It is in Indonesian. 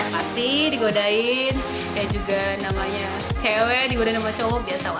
pasti digodain ya juga namanya cewek digodain sama cowok biasa wajar lah